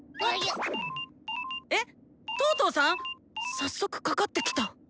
早速かかってきた。